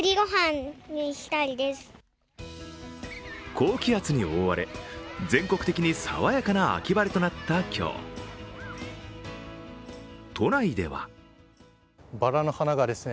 高気圧に覆われ、全国的に爽やかな秋晴れとなった今日、都内ではばらの花がですね